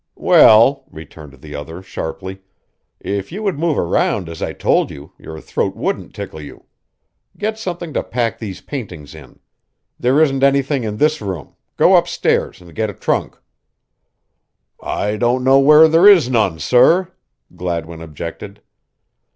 "Well," returned the other sharply, "if you would move around as I told you, your throat wouldn't tickle you. Get something to pack these paintings in. There isn't anything in this room go upstairs and get a trunk." "I don't know where there is none, sorr," Gladwin objected.